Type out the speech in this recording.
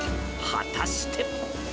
果たして。